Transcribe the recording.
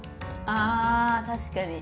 あ確かに。